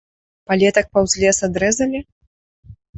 Палетак паўз лес адрэзалі?